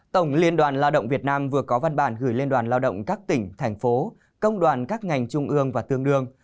tổng liên đoàn lao động việt nam vừa có văn bản gửi liên đoàn lao động các tỉnh thành phố công đoàn các ngành trung ương và tương đương